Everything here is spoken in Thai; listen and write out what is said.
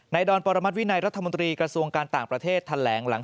ดอนปรมัติวินัยรัฐมนตรีกระทรวงการต่างประเทศแถลงหลัง